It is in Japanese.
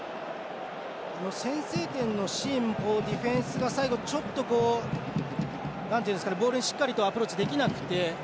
先制点のシーンもディフェンスが最後、ちょっとボールにしっかりとアプローチできなくて。